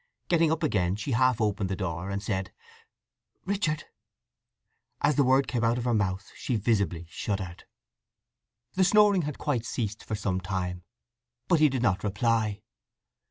Getting up again she half opened the door, and said "Richard." As the word came out of her mouth she visibly shuddered. The snoring had quite ceased for some time, but he did not reply.